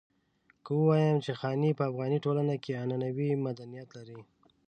که ووايم چې خاني په افغاني ټولنه کې عنعنوي مدنيت لري.